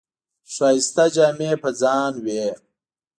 ښایسته جامې یې په ځان وې.